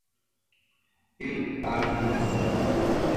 ¿él ha bebido?